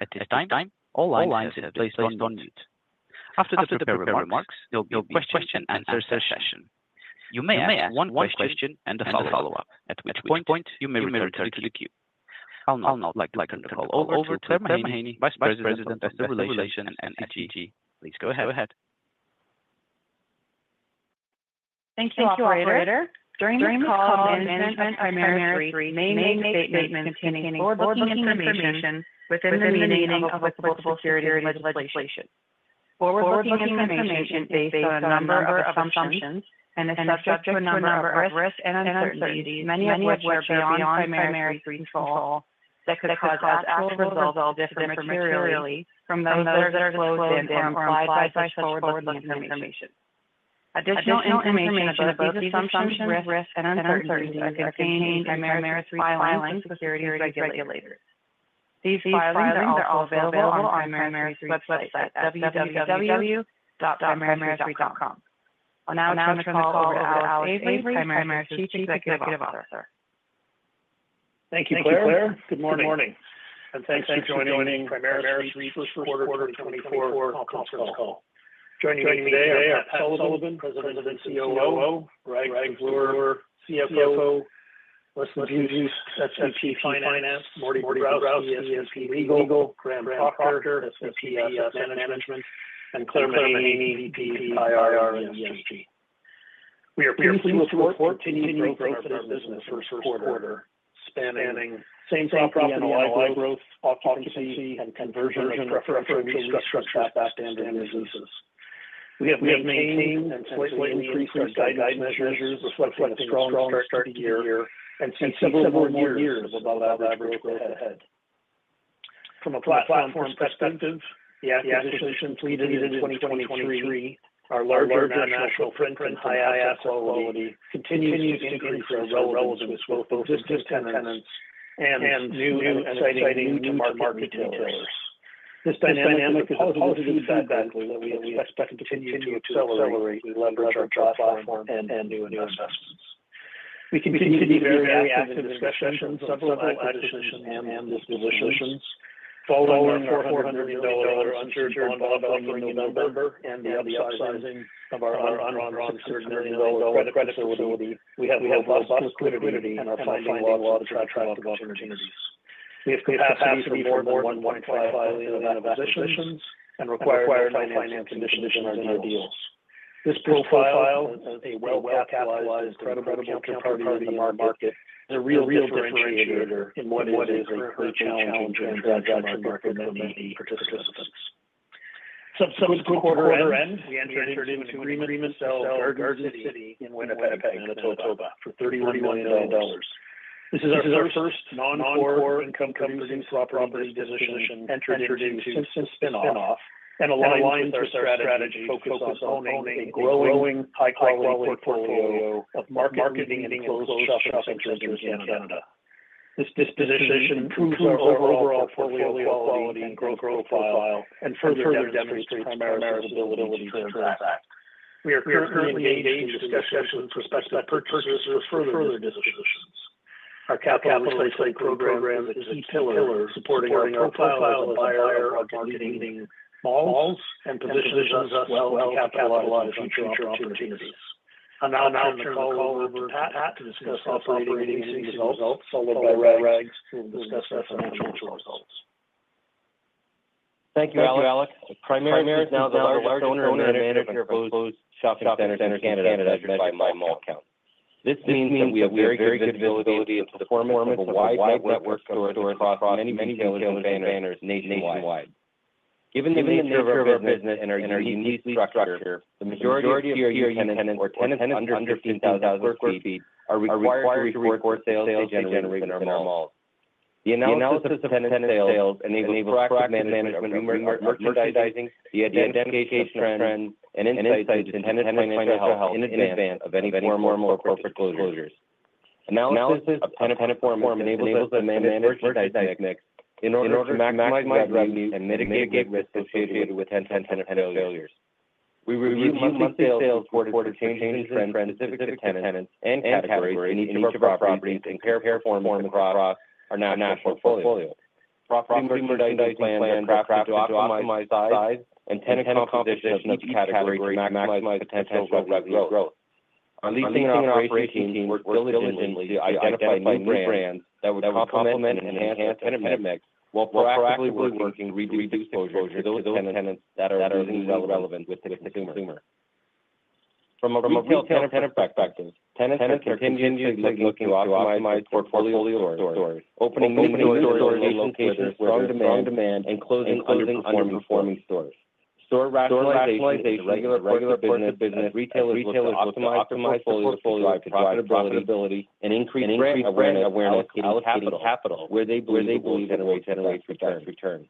At this time, all lines have been placed on mute. After the prepared remarks, there will be a question and answer session. You may ask one question and a follow-up, at which point you may return to the queue. I'll now like to turn the call over to Claire Mahaney, Vice President of Investor Relations and ESG. Please go ahead. Thank you, operator. During this call, Management at Primaris may make statements containing forward-looking information within the meaning of applicable securities legislation. Forward-looking information is based on a number of assumptions and is subject to a number of risks and uncertainties, many of which are beyond Primaris' control, that could cause actual results to differ materially from those that are disclosed or implied by such forward-looking information. Additional information about these assumptions, risks, and uncertainties are contained in Primaris filings with securities regulators. These filings are also available on Primaris' website at www.primaris.com. I'll now turn the call over to Alex Avery, Primaris' Chief Executive Officer. Thank you, Claire. Good morning, and thanks for joining Primaris's first quarter 2024 conference call. Joining me today are Patrick Sullivan, President and COO; Rags Davloor, CFO; Leslie Buist, SVP Finance; Mordecai Bobrowsky, SVP Legal; Graham Procter, SVP Asset Management; and Claire Mahaney, VP of IR, and ESG. We are pleased to report continued growth of our business in the first quarter, spanning same-store NOI growth, occupancy, and conversion of preferential restructuring contracts to standard leases. We have maintained and slightly increased our guidance measures, reflecting a strong start to the year and see several more years of above-average growth ahead. From a platform perspective, the acquisitions completed in 2023, our larger national footprint, and high asset quality continues to increase our relevance with both existing tenants and new and exciting new market retailers. This dynamic is a positive feedback loop that we expect to continue to accelerate as we leverage our platform and new investments. We continue to be very active in discussions of several acquisitions and dispositions. Following our 400 million dollar unsecured bond offering in November and the upsizing of our undrawn 600 million dollar credit facility, we have robust liquidity and are finding lots of attractive opportunities. We have capacity for more than 1.5 billion of investments and require tight financing conditions in our new deals. This profile is a well-capitalized, incredible counterparty in the market and a real differentiator in what is currently a challenging transaction market for many participants. So toward the quarter end, we entered into an agreement to sell Garden City in Winnipeg, Manitoba, for 31 million dollars. This is our first non-core income-producing property disposition entered into since the spin-off and aligns with our strategy focused on owning a growing, high-quality portfolio of market-leading enclosed shopping centers in Canada. This disposition improves our overall portfolio quality and growth profile and further demonstrates Primaris' ability to transact. We are currently engaged in discussions with prospective purchasers for further dispositions. Our capital recycling program is a key pillar supporting our profile as a buyer of market-leading malls and positions us well to capitalize on future opportunities. I'll now turn the call over to Pat to discuss operating results, followed by Rags, who will discuss our financial results. Thank you, Alex. Primaris is now the largest owner and manager of enclosed shopping centers in Canada, as measured by mall count. This means that we have very good visibility into the performance of a wide network of stores across many retail banners nationwide. Given the nature of our business and our unique structure, the majority of peer tenants or tenants under 15,000 sq ft are required to report the sales they generate in our malls. The analysis of tenant sales enables proactive management of merchant merchandising, the identification of trends, and insights into tenant financial health in advance of any formal corporate disclosures. Analysis of tenant performance enables us to manage merchant mix in order to maximize revenue and mitigate risk associated with tenant failures. We review monthly sales reported for changes in trends, specific tenants, and categories in each of our properties and compare performance across our national portfolio. Property merchandising plans are crafted to optimize size and tenant composition of each category to maximize potential revenue growth. Our leasing and operations teams work diligently to identify new brands that would complement and enhance the tenant mix while proactively working to reduce exposure to those tenants that are losing relevance with the consumer. From a retail tenant perspective, tenants are continuously looking to optimize their portfolio of stores, opening new stores or locations with strong demand and closing underperforming stores. Store rationalization is a regular course of business as retailers look to optimize their portfolio to drive profitability and increase brand awareness, allocating capital where they believe it will generate the best return.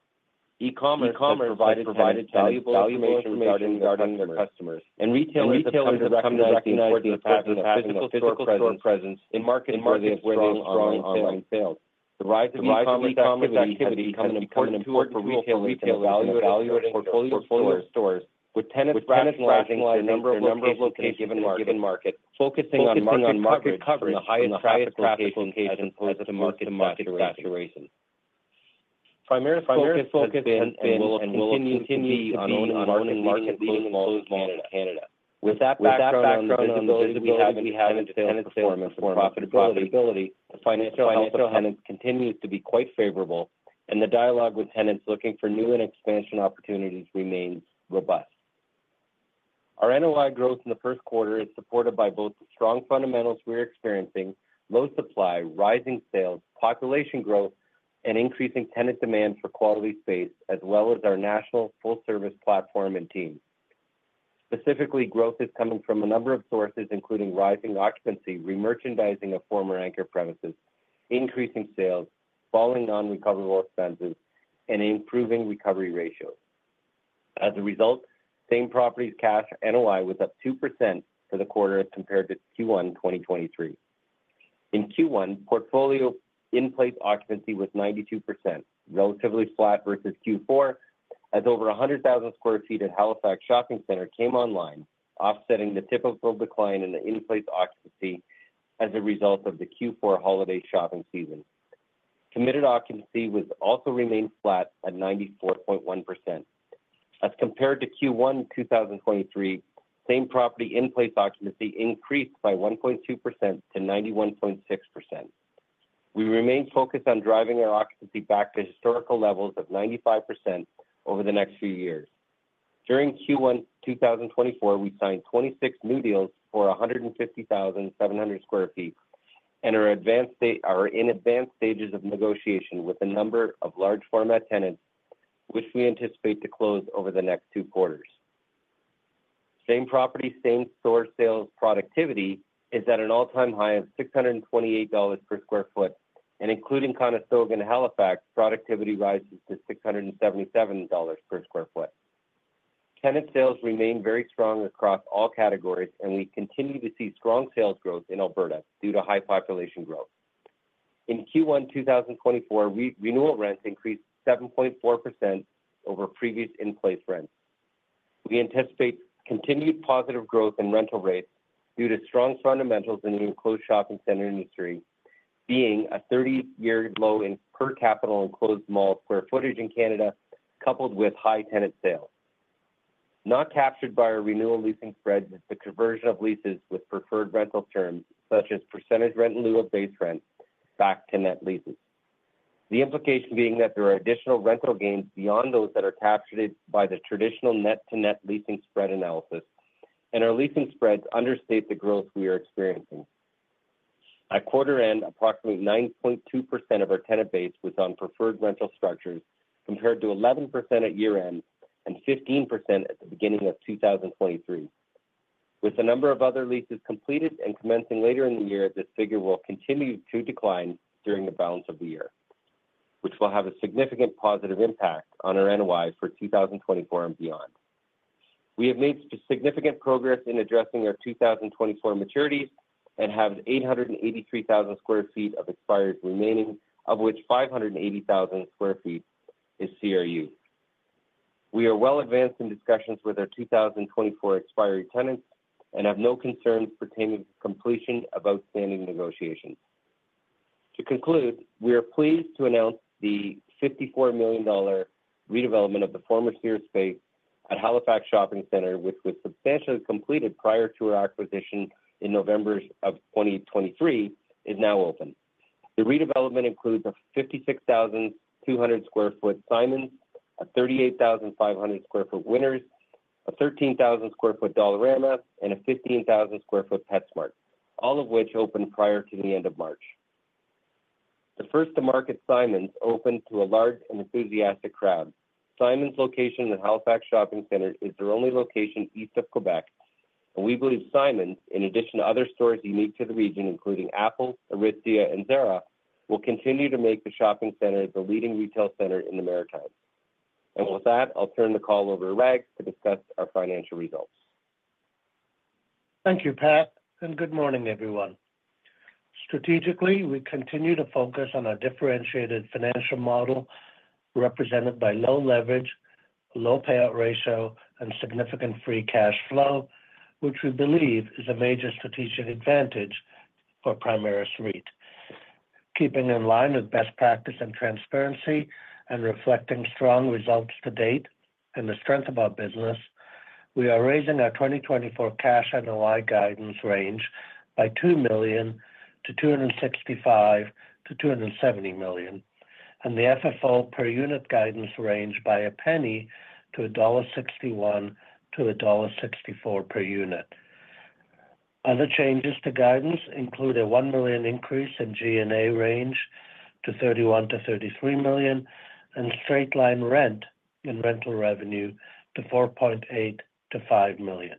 E-commerce has provided tenants valuable information regarding their customers, and retailers have come to recognize the importance of having a physical store presence in markets where they have strong online sales. The rise of e-commerce activity has become an important tool for retail tenants evaluating their portfolio of stores, with tenants rationalizing their number of locations in a given market, focusing on market coverage from the highest traffic locations as opposed to market saturation.... Primaris's focus has been, and will, and continue to be on owning market-leading enclosed malls in Canada. With that background on the visibility we have in tenant sales performance and profitability, the financial health of tenants continues to be quite favorable, and the dialogue with tenants looking for new and expansion opportunities remains robust. Our NOI growth in the first quarter is supported by both the strong fundamentals we are experiencing, low supply, rising sales, population growth, and increasing tenant demand for quality space, as well as our national full-service platform and team. Specifically, growth is coming from a number of sources, including rising occupancy, re-merchandising of former anchor premises, increasing sales, falling non-recoverable expenses, and improving recovery ratios. As a result, same properties cash NOI was up 2% for the quarter as compared to Q1 2023. In Q1, portfolio in-place occupancy was 92%, relatively flat versus Q4, as over 100,000 sq ft at Halifax Shopping Centre came online, offsetting the typical decline in the in-place occupancy as a result of the Q4 holiday shopping season. Committed occupancy was also remained flat at 94.1%. As compared to Q1 2023, same property in-place occupancy increased by 1.2%-91.6%. We remain focused on driving our occupancy back to historical levels of 95% over the next few years. During Q1 2024, we signed 26 new deals for 150,700 sq ft, and are in advanced stages of negotiation with a number of large format tenants, which we anticipate to close over the next two quarters. Same property, same-store sales productivity is at an all-time high of 628 dollars per sq ft, and including Conestoga and Halifax, productivity rises to 677 dollars per sq ft. Tenant sales remain very strong across all categories, and we continue to see strong sales growth in Alberta due to high population growth. In Q1 2024, renewal rents increased 7.4% over previous in-place rents. We anticipate continued positive growth in rental rates due to strong fundamentals in the enclosed shopping center industry, being a 30-year low in per capita enclosed mall square footage in Canada, coupled with high tenant sales. Not captured by our renewal leasing spread is the conversion of leases with preferred rental terms, such as percentage rent in lieu of base rent, back to net leases. The implication being that there are additional rental gains beyond those that are captured by the traditional net-to-net leasing spread analysis, and our leasing spreads understate the growth we are experiencing. At quarter end, approximately 9.2% of our tenant base was on preferred rental structures, compared to 11% at year-end and 15% at the beginning of 2023. With a number of other leases completed and commencing later in the year, this figure will continue to decline during the balance of the year, which will have a significant positive impact on our NOI for 2024 and beyond. We have made significant progress in addressing our 2024 maturities and have 883,000 sq ft of expired remaining, of which 580,000 sq ft is CRU. We are well advanced in discussions with our 2024 expiry tenants and have no concerns pertaining to completion of outstanding negotiations. To conclude, we are pleased to announce the 54 million dollar redevelopment of the former Sears space at Halifax Shopping Centre, which was substantially completed prior to our acquisition in November 2023, is now open. The redevelopment includes a 56,200 sq ft Simons, a 38,500 sq ft Winners, a 13,000 sq ft Dollarama, and a 15,000 sq ft PetSmart, all of which opened prior to the end of March. The first to market, Simons, opened to a large and enthusiastic crowd. Simons location in the Halifax Shopping Centre is their only location east of Quebec, and we believe Simons, in addition to other stores unique to the region, including Apple, Aritzia, and Zara, will continue to make the shopping centre the leading retail centre in the Maritimes. And with that, I'll turn the call over to Rags to discuss our financial results. Thank you, Pat, and good morning, everyone. Strategically, we continue to focus on our differentiated financial model, represented by low leverage, low payout ratio, and significant free cash flow, which we believe is a major strategic advantage for Primaris REIT. Keeping in line with best practice and transparency and reflecting strong results to date and the strength of our business, we are raising our 2024 cash NOI guidance range by 2 million-265 million-CAD 270 million, and the FFO per unit guidance range by CAD 0.01 to 1.61-1.64 dollar per unit. Other changes to guidance include a 1 million increase in G&A range to 31 million-33 million, and straight line rent in rental revenue to 4.8 million-5 million.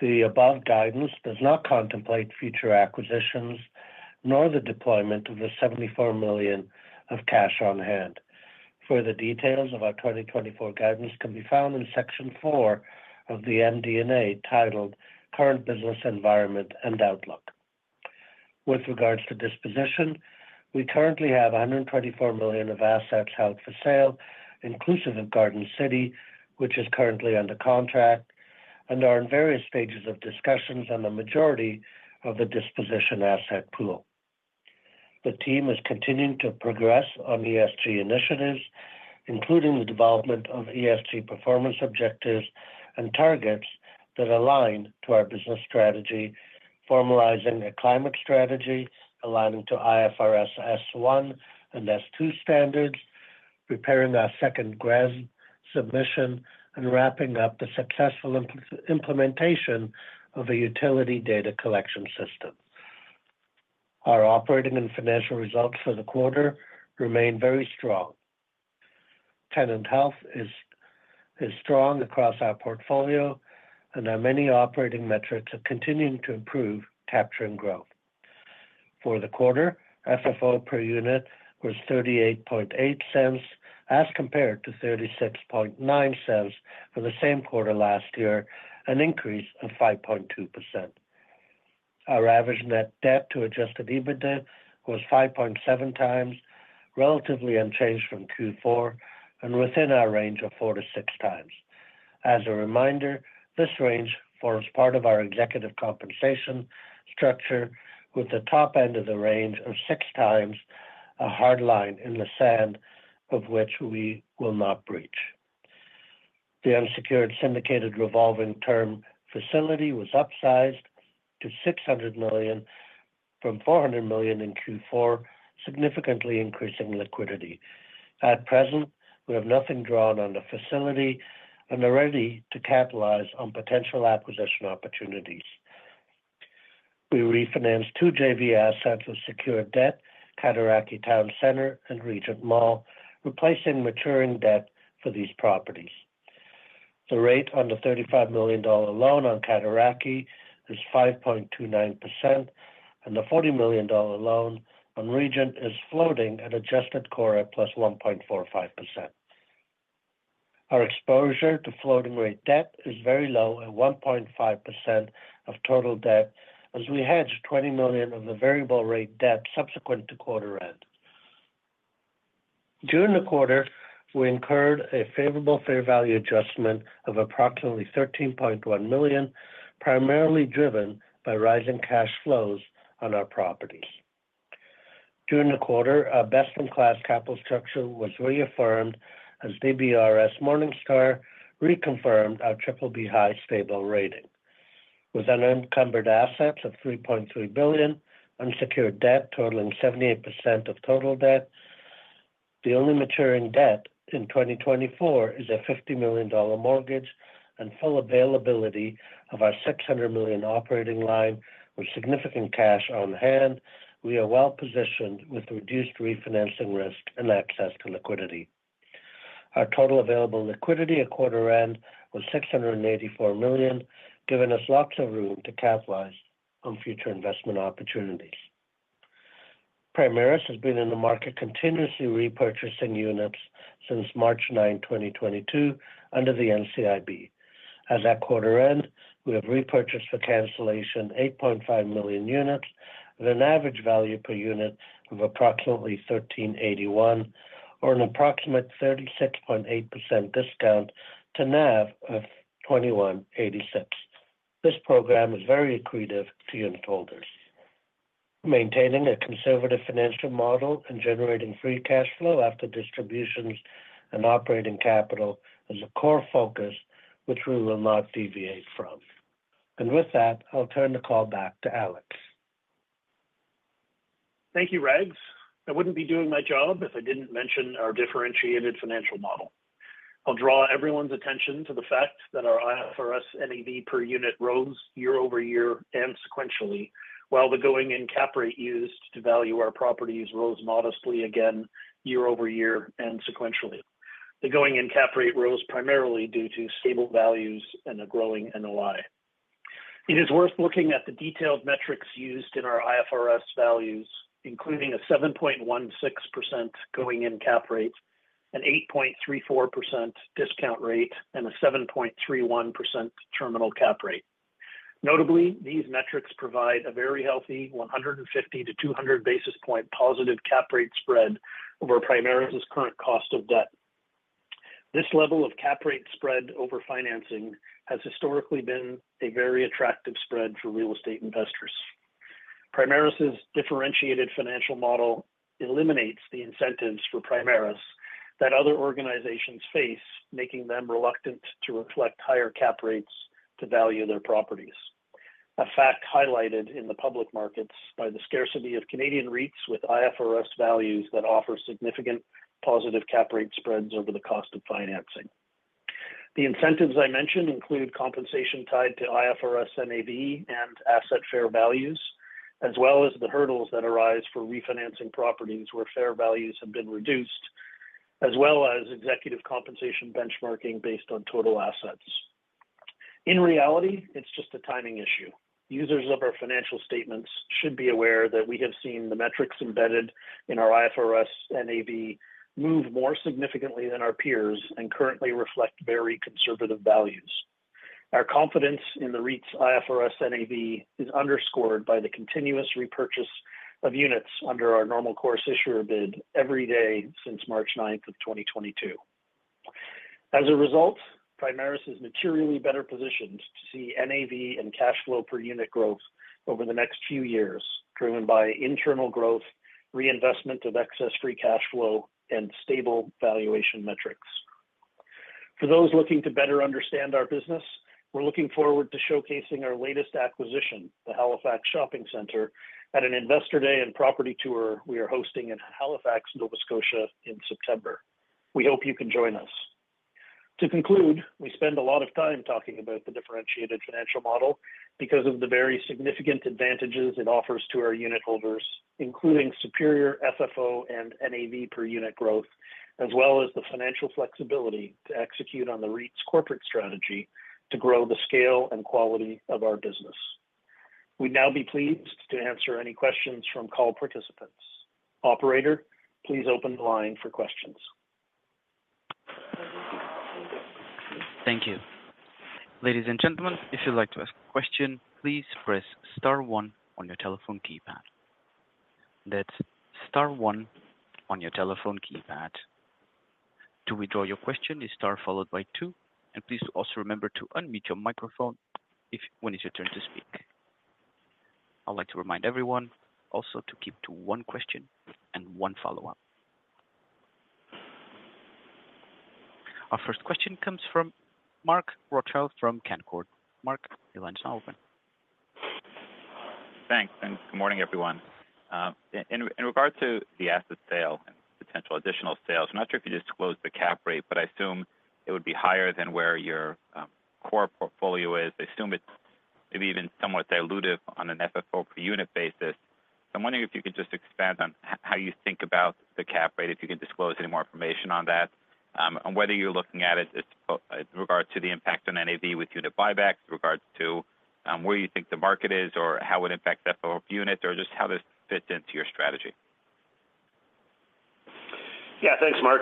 The above guidance does not contemplate future acquisitions, nor the deployment of the 74 million of cash on hand. Further details of our 2024 guidance can be found in section four of the MD&A, titled Current Business Environment and Outlook. With regards to disposition, we currently have 124 million of assets held for sale, inclusive of Garden City, which is currently under contract, and are in various stages of discussions on the majority of the disposition asset pool. The team is continuing to progress on ESG initiatives, including the development of ESG performance objectives and targets that align to our business strategy, formalizing a climate strategy, aligning to IFRS S1 and S2 standards, preparing our second GRESB submission, and wrapping up the successful implementation of a utility data collection system. Our operating and financial results for the quarter remain very strong. Tenant health is strong across our portfolio, and our many operating metrics are continuing to improve, capturing growth. For the quarter, FFO per unit was 0.388, as compared to 0.369 for the same quarter last year, an increase of 5.2%. Our average net debt to adjusted EBITDA was 5.7x, relatively unchanged from Q4, and within our range of 4-6x. As a reminder, this range forms part of our executive compensation structure, with the top end of the range of 6 times a hard line in the sand, of which we will not breach. The unsecured syndicated revolving term facility was upsized to 600 million from 400 million in Q4, significantly increasing liquidity. At present, we have nothing drawn on the facility and are ready to capitalize on potential acquisition opportunities. We refinanced 2 JV assets with secured debt, Cataraqui Centre and Regent Mall, replacing maturing debt for these properties. The rate on the 35 million dollar loan on Cataraqui is 5.29%, and the 40 million dollar loan on Regent is floating at adjusted core at +1.45%. Our exposure to floating rate debt is very low at 1.5% of total debt, as we hedged 20 million of the variable rate debt subsequent to quarter end. During the quarter, we incurred a favorable fair value adjustment of approximately 13.1 million, primarily driven by rising cash flows on our properties. During the quarter, our best-in-class capital structure was reaffirmed as DBRS Morningstar reconfirmed our BBB (high) stable rating. With unencumbered assets of 3.3 billion, unsecured debt totaling 78% of total debt, the only maturing debt in 2024 is a 50 million dollar mortgage and full availability of our 600 million operating line. With significant cash on hand, we are well positioned with reduced refinancing risk and access to liquidity. Our total available liquidity at quarter end was CAD 684 million, giving us lots of room to capitalize on future investment opportunities. Primaris has been in the market continuously repurchasing units since March 9, 2022, under the NCIB. As at quarter end, we have repurchased for cancellation 8.5 million units at an average value per unit of approximately 13.81, or an approximate 36.8% discount to NAV of 21.86. This program is very accretive to unitholders. Maintaining a conservative financial model and generating free cash flow after distributions and operating capital is a core focus which we will not deviate from. With that, I'll turn the call back to Alex. Thank you, Rags. I wouldn't be doing my job if I didn't mention our differentiated financial model. I'll draw everyone's attention to the fact that our IFRS NAV per unit rose year-over-year and sequentially, while the going-in cap rate used to value our properties rose modestly again year-over-year and sequentially. The going-in cap rate rose primarily due to stable values and a growing NOI. It is worth looking at the detailed metrics used in our IFRS values, including a 7.16% going-in cap rate, an 8.34% discount rate, and a 7.31% terminal cap rate. Notably, these metrics provide a very healthy 150-200 basis point positive cap rate spread over Primaris' current cost of debt. This level of cap rate spread over financing has historically been a very attractive spread for real estate investors. Primaris' differentiated financial model eliminates the incentives for Primaris that other organizations face, making them reluctant to reflect higher cap rates to value their properties. A fact highlighted in the public markets by the scarcity of Canadian REITs with IFRS values that offer significant positive cap rate spreads over the cost of financing. The incentives I mentioned include compensation tied to IFRS NAV and asset fair values, as well as the hurdles that arise for refinancing properties where fair values have been reduced, as well as executive compensation benchmarking based on total assets. In reality, it's just a timing issue. Users of our financial statements should be aware that we have seen the metrics embedded in our IFRS NAV move more significantly than our peers and currently reflect very conservative values. Our confidence in the REIT's IFRS NAV is underscored by the continuous repurchase of units under our normal course issuer bid every day since March ninth of 2022. As a result, Primaris is materially better positioned to see NAV and cash flow per unit growth over the next few years, driven by internal growth, reinvestment of excess free cash flow, and stable valuation metrics. For those looking to better understand our business, we're looking forward to showcasing our latest acquisition, the Halifax Shopping Centre, at an Investor Day and property tour we are hosting in Halifax, Nova Scotia, in September. We hope you can join us. To conclude, we spend a lot of time talking about the differentiated financial model because of the very significant advantages it offers to our unit holders, including superior FFO and NAV per unit growth, as well as the financial flexibility to execute on the REIT's corporate strategy to grow the scale and quality of our business. We'd now be pleased to answer any questions from call participants. Operator, please open the line for questions. Thank you. Ladies and gentlemen, if you'd like to ask a question, please press star one on your telephone keypad. That's star one on your telephone keypad. To withdraw your question, it's star followed by two, and please also remember to unmute your microphone if when it's your turn to speak. I'd like to remind everyone also to keep to one question and one follow-up. Our first question comes from Mark Rothschild from Canaccord. Mark, your line is now open. Thanks, and good morning, everyone. In regard to the asset sale and potential additional sales, I'm not sure if you disclosed the cap rate, but I assume it would be higher than where your core portfolio is. I assume it's maybe even somewhat dilutive on an FFO per unit basis. So I'm wondering if you could just expand on how you think about the cap rate, if you can disclose any more information on that, on whether you're looking at it as, in regard to the impact on NAV with due to buybacks, in regards to, where you think the market is or how it impacts FFO per unit, or just how this fits into your strategy. Yeah, thanks, Mark.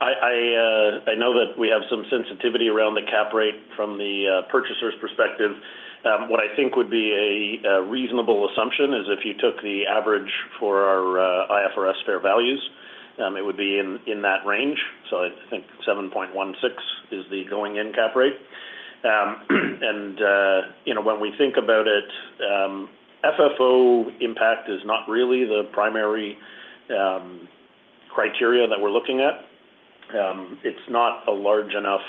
I know that we have some sensitivity around the cap rate from the purchaser's perspective. What I think would be a reasonable assumption is if you took the average for our IFRS fair values, it would be in that range. So I think 7.16% is the going-in cap rate. And you know, when we think about it, FFO impact is not really the primary criteria that we're looking at. It's not a large enough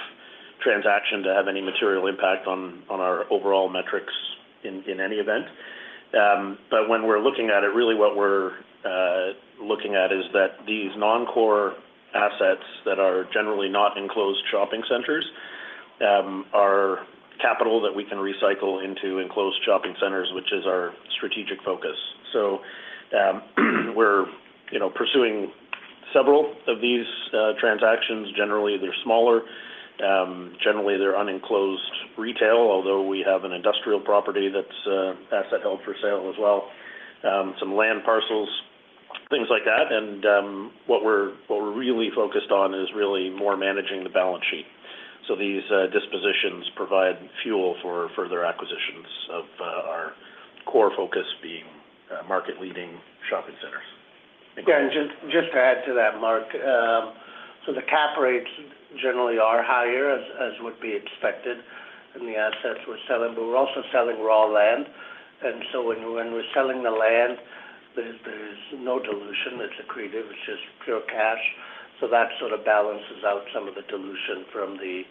transaction to have any material impact on our overall metrics in any event. But when we're looking at it, really what we're looking at is that these non-core assets that are generally not enclosed shopping centers are capital that we can recycle into enclosed shopping centers, which is our strategic focus. So, we're, you know, pursuing several of these transactions. Generally, they're smaller. Generally, they're unenclosed retail, although we have an industrial property that's asset held for sale as well, some land parcels, things like that. And what we're, what we're really focused on is really more managing the balance sheet. So these dispositions provide fuel for further acquisitions of our core focus being market-leading shopping centers. Yeah, and just to add to that, Mark. So the cap rates generally are higher, as would be expected in the assets we're selling, but we're also selling raw land. And so when we're selling the land, there's no dilution that's accretive, it's just pure cash. So that sort of balances out some of the dilution from the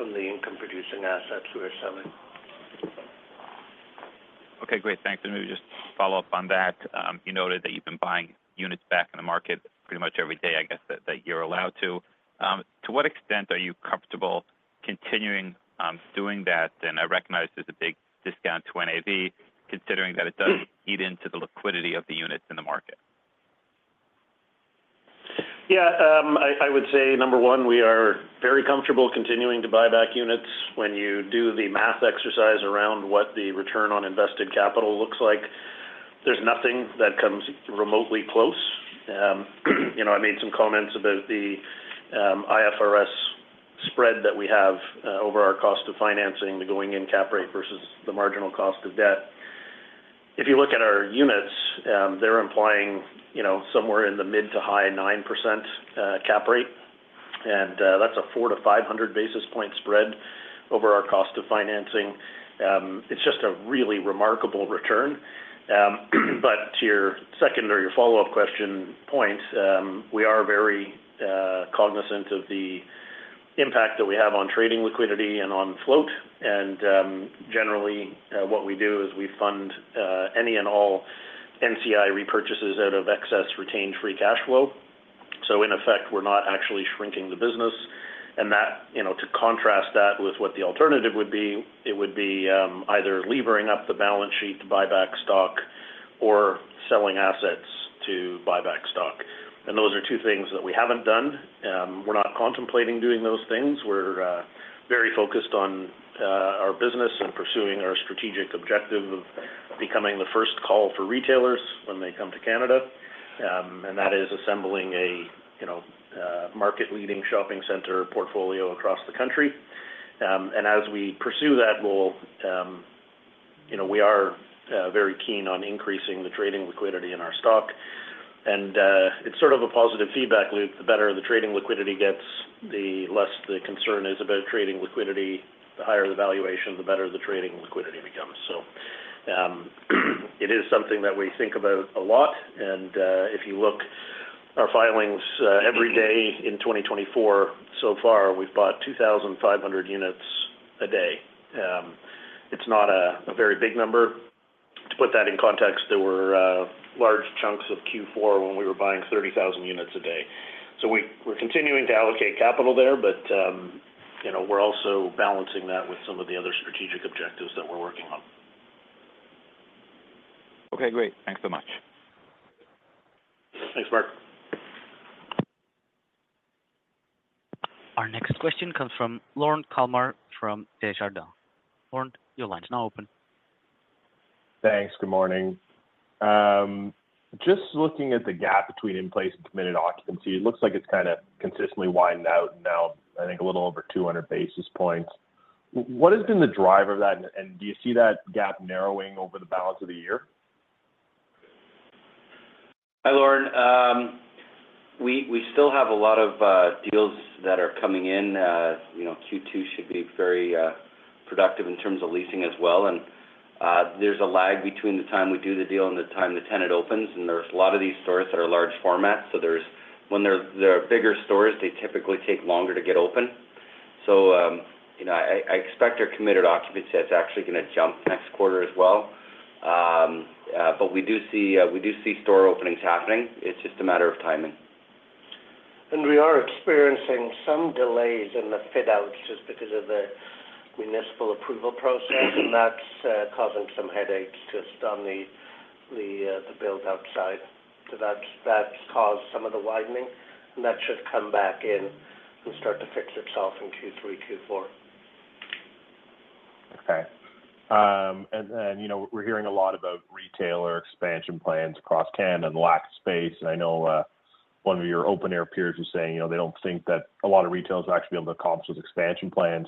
income-producing assets we're selling. Okay, great. Thanks. And maybe just follow up on that. You noted that you've been buying units back in the market pretty much every day, I guess, that you're allowed to. To what extent are you comfortable continuing doing that? And I recognize there's a big discount to NAV, considering that it does eat into the liquidity of the units in the market. Yeah, I would say, number one, we are very comfortable continuing to buy back units. When you do the math exercise around what the return on invested capital looks like, there's nothing that comes remotely close. You know, I made some comments about the IFRS spread that we have over our cost of financing, the going-in cap rate versus the marginal cost of debt. If you look at our units, they're implying, you know, somewhere in the mid- to high-9% cap rate, and that's a 400-500 basis point spread over our cost of financing. It's just a really remarkable return. But to your second or your follow-up question point, we are very cognizant of the impact that we have on trading liquidity and on float. Generally, what we do is we fund any and all NCIB repurchases out of excess retained free cash flow. So in effect, we're not actually shrinking the business. That, you know, to contrast that with what the alternative would be, it would be either levering up the balance sheet to buy back stock or selling assets to buy back stock. Those are two things that we haven't done. We're not contemplating doing those things. We're very focused on our business and pursuing our strategic objective of becoming the first call for retailers when they come to Canada, and that is assembling a market-leading shopping center portfolio across the country. And as we pursue that role, you know, we are very keen on increasing the trading liquidity in our stock. It's sort of a positive feedback loop. The better the trading liquidity gets, the less the concern is about trading liquidity, the higher the valuation, the better the trading liquidity becomes. So, it is something that we think about a lot, and, if you look our filings, every day in 2024, so far, we've bought 2,500 units a day. It's not a very big number. To put that in context, there were large chunks of Q4 when we were buying 30,000 units a day. So we're continuing to allocate capital there, but, you know, we're also balancing that with some of the other strategic objectives that we're working on. Okay, great. Thanks so much. Thanks, Mark. Our next question comes from Lorne Kalmar from Desjardins. Lorne, your line is now open. Thanks. Good morning. Just looking at the gap between in place and committed occupancy, it looks like it's kind of consistently widened out now, I think a little over 200 basis points. What has been the driver of that, and do you see that gap narrowing over the balance of the year? Hi, Lorne. We still have a lot of deals that are coming in. You know, Q2 should be very productive in terms of leasing as well. And there's a lag between the time we do the deal and the time the tenant opens, and there's a lot of these stores that are large format. So there's when they're bigger stores, they typically take longer to get open. So you know, I expect our committed occupancy is actually going to jump next quarter as well. But we do see store openings happening. It's just a matter of timing. We are experiencing some delays in the fit outs just because of the municipal approval process, and that's causing some headaches just on the build outside. So that's caused some of the widening, and that should come back in and start to fix itself in Q3, Q4. Okay. And then, you know, we're hearing a lot about retailer expansion plans across Canada and the lack of space. I know, one of your open-air peers was saying, you know, they don't think that a lot of retailers will actually be able to accomplish those expansion plans.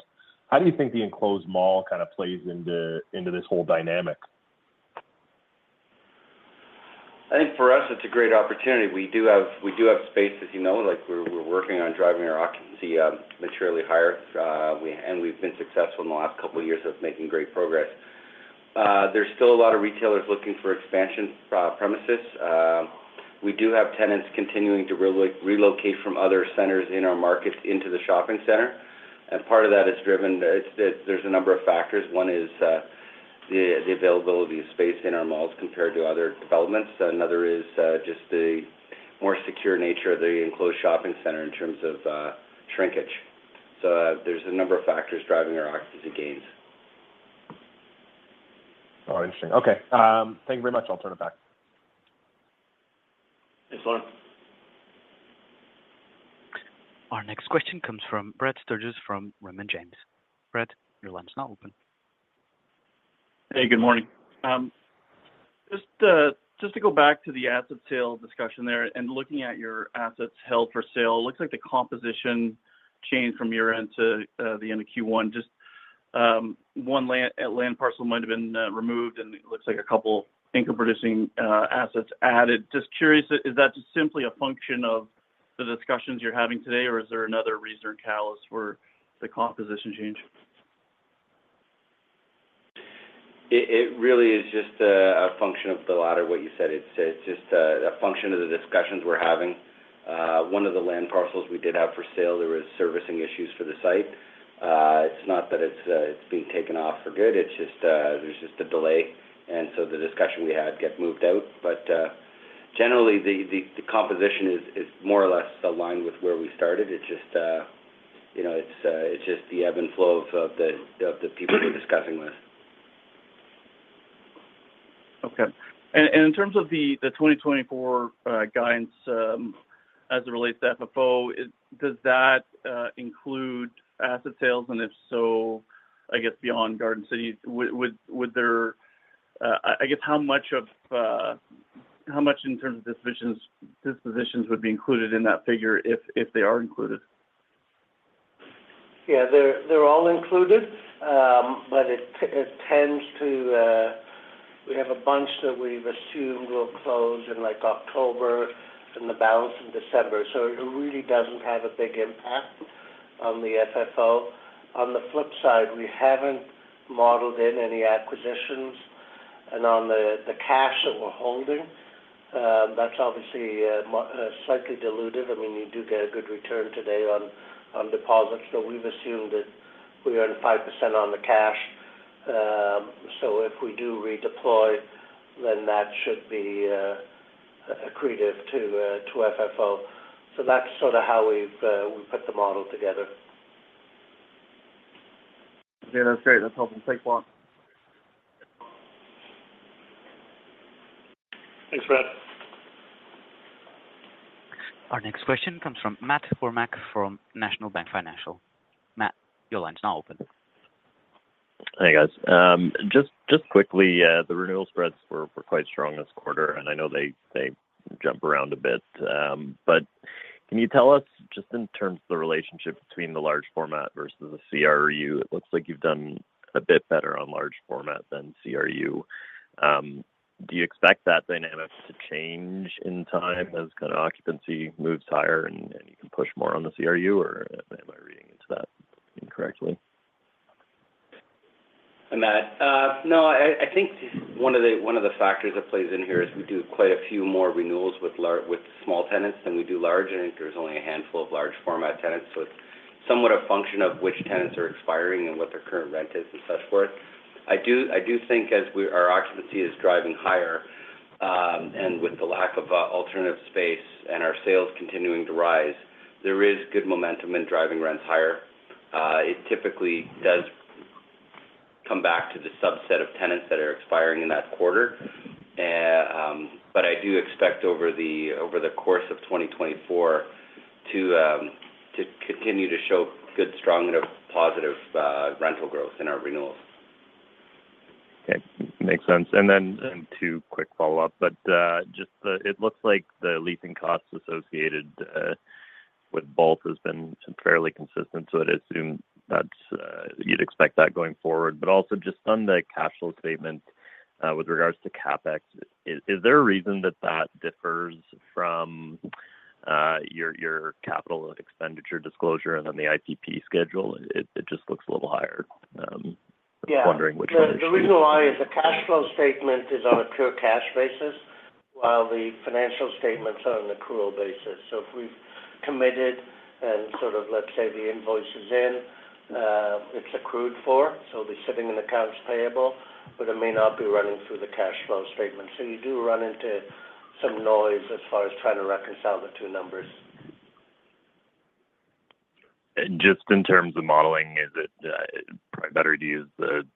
How do you think the enclosed mall kind of plays into, into this whole dynamic? I think for us, it's a great opportunity. We do have, we do have space, as you know, like, we're, we're working on driving our occupancy materially higher, and we've been successful in the last couple of years of making great progress. There's still a lot of retailers looking for expansion premises. We do have tenants continuing to relocate from other centers in our markets into the shopping center, and part of that is driven; it's that there's a number of factors. One is, the availability of space in our malls compared to other developments. Another is, just the more secure nature of the enclosed shopping center in terms of shrinkage. So, there's a number of factors driving our occupancy gains. Oh, interesting. Okay. Thank you very much. I'll turn it back. Thanks, Lauren. Our next question comes from Brad Sturges, from Raymond James. Brett, your line is now open. Hey, good morning. Just to go back to the asset sale discussion there and looking at your assets held for sale, it looks like the composition changed from your end to the end of Q1. Just one land parcel might have been removed, and it looks like a couple income-producing assets added. Just curious, is that just simply a function of the discussions you're having today, or is there another reason or catalyst for the composition change? It really is just a function of the latter, what you said. It's just a function of the discussions we're having. One of the land parcels we did have for sale, there was servicing issues for the site. It's not that it's being taken off for good, it's just there's just a delay, and so the discussion we had get moved out. But generally, the composition is more or less aligned with where we started. It's just, you know, it's just the ebb and flow of the people we're discussing with. Okay. In terms of the 2024 guidance, as it relates to FFO, does that include asset sales? And if so, I guess beyond Garden City, would there... I guess how much in terms of dispositions would be included in that figure if they are included? Yeah, they're all included, but it tends to, we have a bunch that we've assumed will close in, like, October and the balance in December, so it really doesn't have a big impact on the FFO. On the flip side, we haven't modeled in any acquisitions. And on the cash that we're holding, that's obviously slightly dilutive. I mean, you do get a good return today on deposits, so we've assumed that we earn 5% on the cash. So if we do redeploy, then that should be accretive to FFO. So that's sort of how we've we put the model together. Yeah, that's great. That's helpful. Thank you.... Thanks, Brad. Our next question comes from Matt Kornack from National Bank Financial. Matt, your line is now open. Hey, guys. Just quickly, the renewal spreads were quite strong this quarter, and I know they jump around a bit. But can you tell us just in terms of the relationship between the large format versus the CRU? It looks like you've done a bit better on large format than CRU. Do you expect that dynamic to change in time as kind of occupancy moves higher and you can push more on the CRU, or am I reading into that incorrectly? Hi, Matt. No, I think one of the factors that plays in here is we do quite a few more renewals with small tenants than we do large, and I think there's only a handful of large format tenants. So it's somewhat a function of which tenants are expiring and what their current rent is and so forth. I do think as our occupancy is driving higher, and with the lack of alternative space and our sales continuing to rise, there is good momentum in driving rents higher. It typically does come back to the subset of tenants that are expiring in that quarter. But I do expect over the course of 2024 to continue to show good, strong, and a positive rental growth in our renewals. Okay, makes sense. And then two quick follow-ups, but just the... It looks like the leasing costs associated with both have been fairly consistent, so I'd assume that's what you'd expect going forward. But also just on the cash flow statement with regards to CapEx, is there a reason that that differs from your capital expenditure disclosure and then the ITP schedule? It just looks a little higher. Yeah. Just wondering which one is true. The reason why is the cash flow statement is on a pure cash basis, while the financial statements are on an accrual basis. So if we've committed and sort of, let's say, the invoice is in, it's accrued for, so it'll be sitting in accounts payable, but it may not be running through the cash flow statement. So you do run into some noise as far as trying to reconcile the two numbers. Just in terms of modeling, is it probably better to use the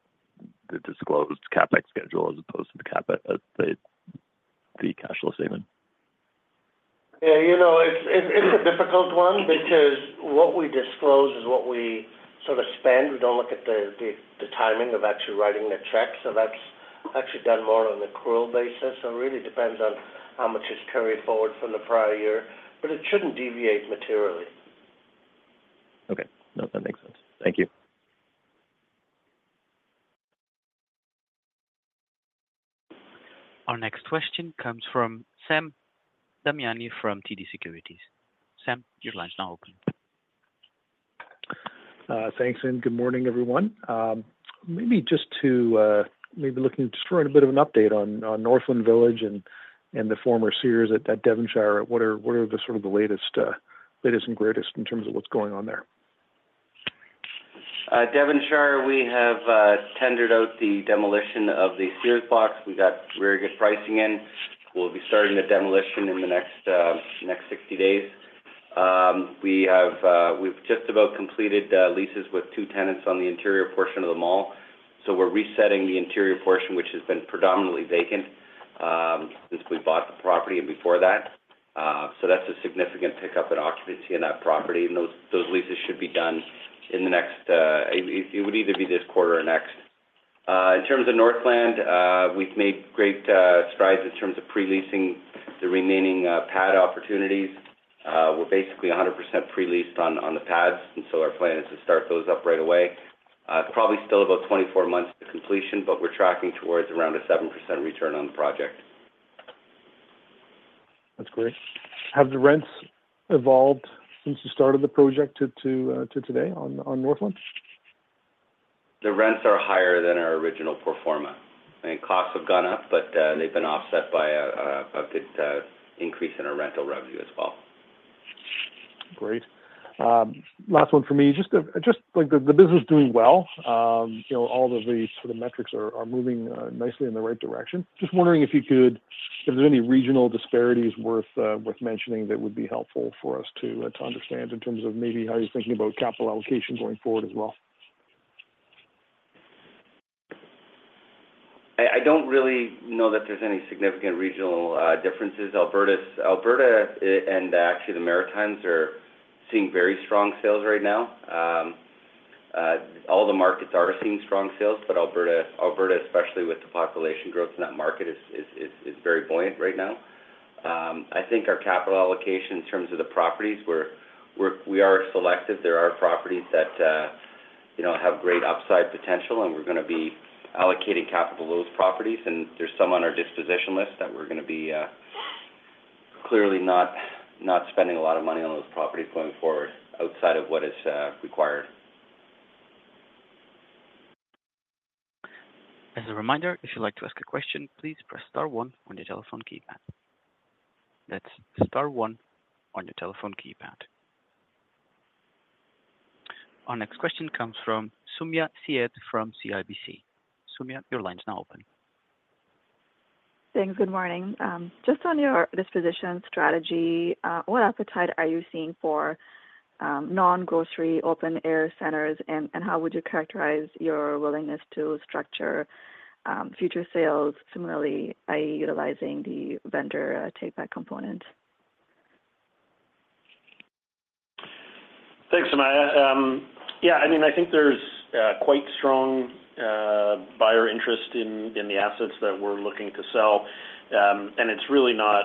disclosed CapEx schedule as opposed to the CapEx the cash flow statement? Yeah, you know, it's a difficult one because what we disclose is what we sort of spend. We don't look at the timing of actually writing the check, so that's actually done more on accrual basis. So it really depends on how much is carried forward from the prior year, but it shouldn't deviate materially. Okay. No, that makes sense. Thank you. Our next question comes from Sam Damiani from TD Securities. Sam, your line is now open. Thanks, and good morning, everyone. Maybe just looking for a bit of an update on Northland Village and the former Sears at Devonshire. What are the sort of the latest and greatest in terms of what's going on there? Devonshire, we have tendered out the demolition of the Sears box. We got very good pricing in. We'll be starting the demolition in the next 60 days. We've just about completed leases with two tenants on the interior portion of the mall, so we're resetting the interior portion, which has been predominantly vacant since we bought the property and before that. So that's a significant pickup in occupancy in that property, and those leases should be done in the next. It would either be this quarter or next. In terms of Northland, we've made great strides in terms of pre-leasing the remaining pad opportunities. We're basically 100% pre-leased on the pads, and so our plan is to start those up right away. Probably still about 24 months to completion, but we're tracking towards around a 7% return on the project. That's great. Have the rents evolved since the start of the project to today on Northland? The rents are higher than our original pro forma, and costs have gone up, but they've been offset by a good increase in our rental revenue as well. Great. Last one for me. Just like the business is doing well, you know, all of the sort of metrics are moving nicely in the right direction. Just wondering if you could, if there's any regional disparities worth mentioning that would be helpful for us to understand in terms of maybe how you're thinking about capital allocation going forward as well. I don't really know that there's any significant regional differences. Alberta and actually the Maritimes are seeing very strong sales right now. All the markets are seeing strong sales, but Alberta, especially with the population growth in that market, is very buoyant right now. I think our capital allocation in terms of the properties, we are selective. There are properties that, you know, have great upside potential, and we're going to be allocating capital to those properties, and there's some on our disposition list that we're going to be clearly not spending a lot of money on those properties going forward outside of what is required. As a reminder, if you'd like to ask a question, please press star one on your telephone keypad. That's star one on your telephone keypad. Our next question comes from Sumayya Syed from CIBC. Sumayya, your line is now open. Thanks. Good morning. Just on your disposition strategy, what appetite are you seeing for non-grocery open-air centers, and how would you characterize your willingness to structure future sales similarly, by utilizing the vendor take back component? Thanks, Amaya. Yeah, I mean, I think there's quite strong buyer interest in the assets that we're looking to sell. And it's really not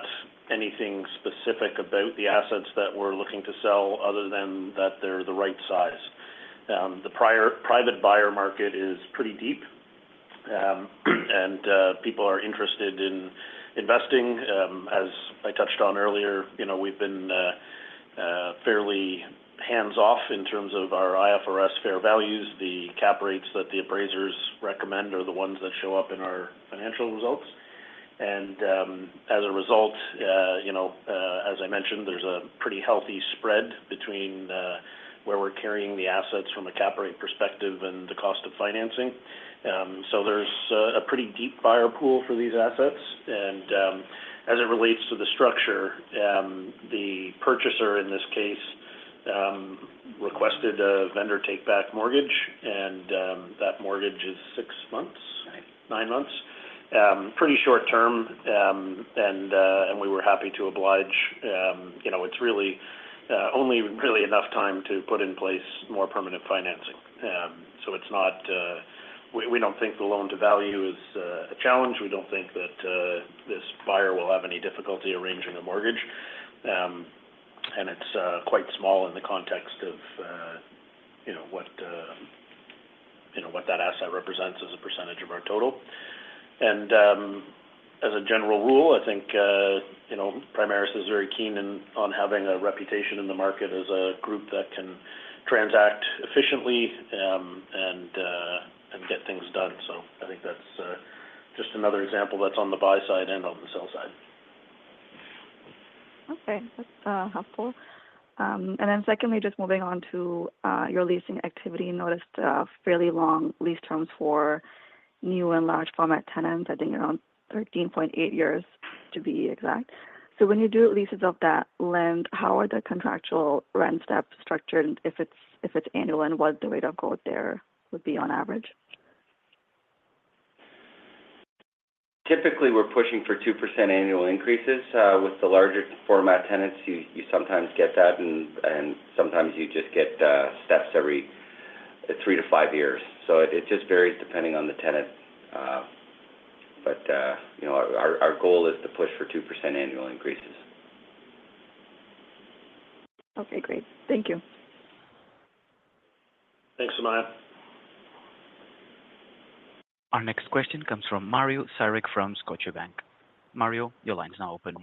anything specific about the assets that we're looking to sell, other than that they're the right size. The private buyer market is pretty deep, and people are interested in investing. As I touched on earlier, you know, we've been fairly hands-off in terms of our IFRS fair values. The cap rates that the appraisers recommend are the ones that show up in our financial results. And, as a result, you know, as I mentioned, there's a pretty healthy spread between where we're carrying the assets from a cap rate perspective and the cost of financing. So there's a pretty deep buyer pool for these assets. As it relates to the structure, the purchaser, in this case, requested a vendor take-back mortgage, and that mortgage is six months? Nine. Nine months. Pretty short term, and we were happy to oblige. You know, it's really only really enough time to put in place more permanent financing. So it's not... We don't think the loan to value is a challenge. We don't think that this buyer will have any difficulty arranging a mortgage. And it's quite small in the context of you know what you know what that asset represents as a percentage of our total. And as a general rule, I think you know Primaris is very keen in on having a reputation in the market as a group that can transact efficiently and get things done. So I think that's just another example that's on the buy side and on the sell side. Okay, that's helpful. And then secondly, just moving on to your leasing activity. Noticed fairly long lease terms for new and large format tenants, I think around 13.8 years, to be exact. So when you do leases of that length, how are the contractual rent steps structured, if it's annual, and what the rate of growth there would be on average? Typically, we're pushing for 2% annual increases. With the larger format tenants, you sometimes get that, and sometimes you just get steps every 3-5 years. So it just varies depending on the tenant. But you know, our goal is to push for 2% annual increases. Okay, great. Thank you. Thanks, Amaya. Our next question comes from Mario Saric from Scotiabank. Mario, your line is now open.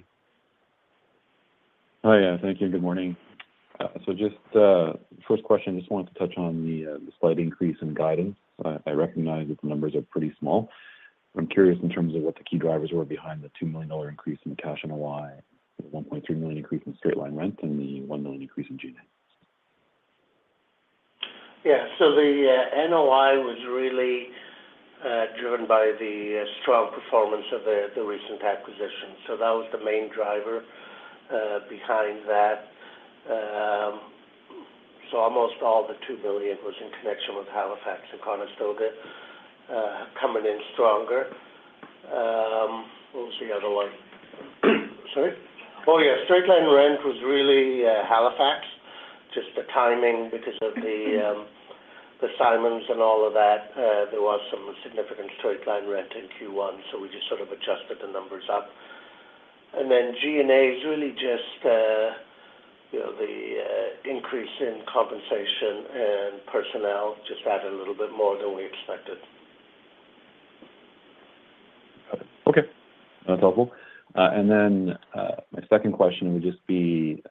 Hi, yeah, thank you. Good morning. So just, first question, just wanted to touch on the, the slight increase in guidance. I, I recognize that the numbers are pretty small. I'm curious in terms of what the key drivers were behind the 2 million dollar increase in cash NOI, the 1.2 million increase in straight line rent, and the 1 million increase in G&A. Yeah. So the NOI was really driven by the strong performance of the recent acquisition. That was the main driver behind that. Almost all the 2 billion was in connection with Halifax and Conestoga coming in stronger. What was the other one? Sorry? Oh, yeah. Straight line rent was really Halifax. Just the timing because of the Simons and all of that. There was some significant straight line rent in Q1, so we just sort of adjusted the numbers up. And then G&A is really just, you know, the increase in compensation and personnel, just added a little bit more than we expected. Got it. Okay. That's helpful. And then, my second question would just be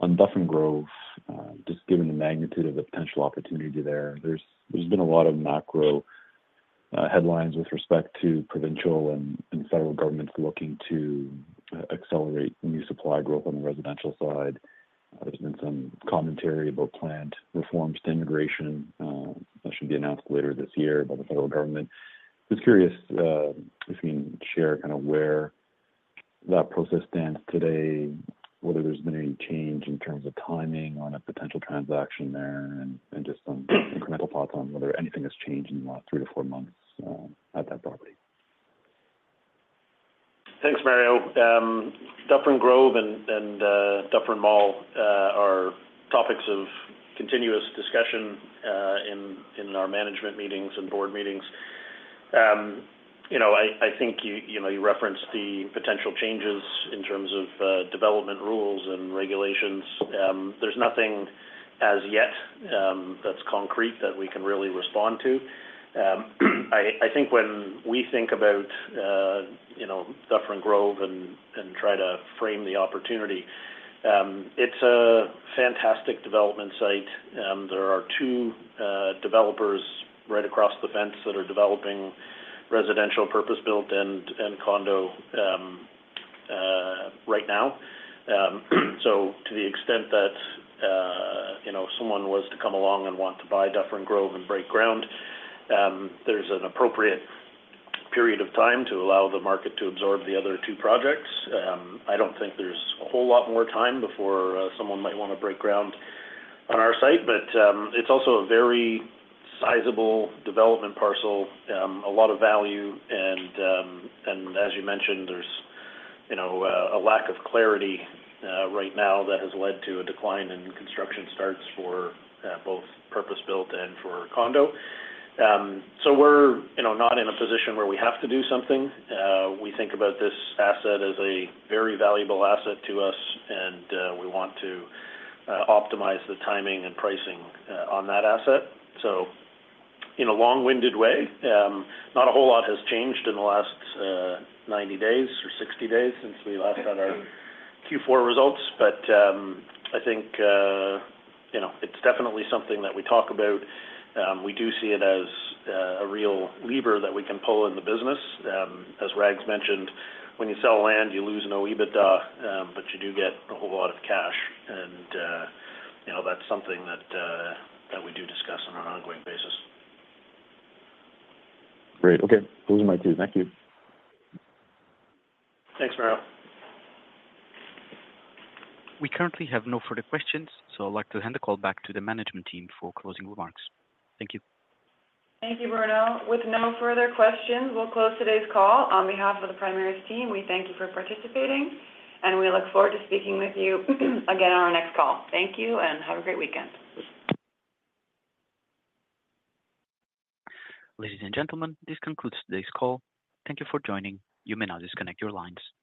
on Dufferin Grove, just given the magnitude of the potential opportunity there, there's been a lot of macro headlines with respect to provincial and federal governments looking to accelerate new supply growth on the residential side. There's been some commentary about planned reforms to immigration that should be announced later this year by the federal government. Just curious if you can share kind of where that process stands today, whether there's been any change in terms of timing on a potential transaction there, and just some incremental thoughts on whether anything has changed in the last 3-4 months at that property. Thanks, Mario. Dufferin Grove and Dufferin Mall are topics of continuous discussion in our management meetings and board meetings. You know, I think you know, you referenced the potential changes in terms of development rules and regulations. There's nothing as yet that's concrete that we can really respond to. I think when we think about you know, Dufferin Grove and try to frame the opportunity, it's a fantastic development site, and there are two developers right across the fence that are developing residential purpose-built and condo right now. So to the extent that you know, someone was to come along and want to buy Dufferin Grove and break ground, there's an appropriate period of time to allow the market to absorb the other two projects. I don't think there's a whole lot more time before someone might wanna break ground on our site, but it's also a very sizable development parcel, a lot of value, and as you mentioned, there's, you know, a lack of clarity right now that has led to a decline in construction starts for both purpose-built and for condo. So we're, you know, not in a position where we have to do something. We think about this asset as a very valuable asset to us, and we want to optimize the timing and pricing on that asset. So in a long-winded way, not a whole lot has changed in the last 90 days or 60 days since we last had our Q4 results. I think, you know, it's definitely something that we talk about. We do see it as a real lever that we can pull in the business. As Rags mentioned, when you sell land, you lose an EBITDA, but you do get a whole lot of cash, and you know, that's something that we do discuss on an ongoing basis. Great. Okay. Those are my two. Thank you. Thanks, Mario. We currently have no further questions, so I'd like to hand the call back to the management team for closing remarks. Thank you. Thank you, Bruno. With no further questions, we'll close today's call. On behalf of the Primaris team, we thank you for participating, and we look forward to speaking with you, again on our next call. Thank you, and have a great weekend. Ladies and gentlemen, this concludes today's call. Thank you for joining. You may now disconnect your lines. Thank you.